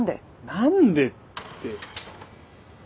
何でって。